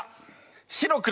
白黒。